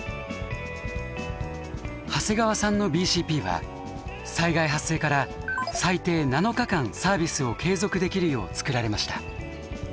長谷川さんのＢＣＰは災害発生から最低７日間サービスを継続できるよう作られました。